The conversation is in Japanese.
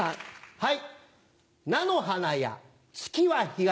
はい。